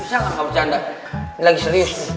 bisa gak berbicara ini lagi serius nih